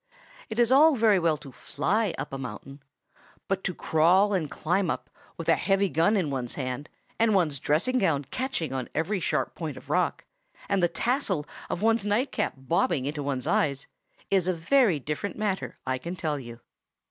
It is all very well to fly up a mountain; but to crawl and climb up, with a heavy gun in one's hand, and one's dressing gown catching on every sharp point of rock, and the tassel of one's nightcap bobbing into one's eyes, is a very different matter, I can tell you.